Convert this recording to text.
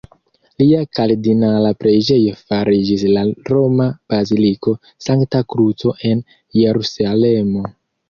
Lia kardinala preĝejo fariĝis la roma Baziliko Sankta Kruco en Jerusalemo.